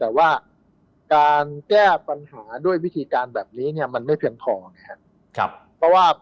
แต่ว่าการแก้ปัญหาด้วยวิธีการแบบนี้เนี่ยมันไม่เพียงพอไงครับ